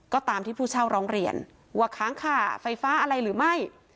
ก็ตามที่ผู้เช่าร้องเรียนว่าค้างค่าไฟฟ้าอะไรหรือไม่